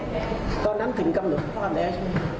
ตอนนั้นถึงกำหนดคลอดแล้วใช่ไหม